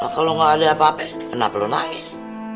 kalau gak ada apa apa kenapa lo nangis